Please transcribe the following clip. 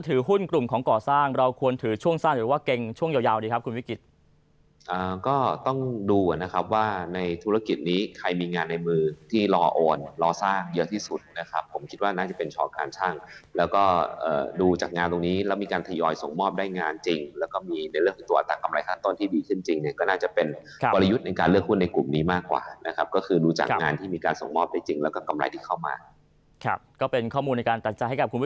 เราควรถือช่วงสร้างหรือว่าเกงช่วงยาวดีครับคุณวิกฤตก็ต้องดูนะครับว่าในธุรกิจนี้ใครมีงานในมือที่รอโอนรอสร้างเยอะที่สุดนะครับผมคิดว่าน่าจะเป็นชอการชั่งแล้วก็ดูจากงานตรงนี้แล้วมีการทียอยส่งมอบได้งานจริงแล้วก็มีในเรื่องของตัวแต่กำไรขั้นตอนที่ดีขึ้นจริงก็น่าจะเป็นวริยุทธ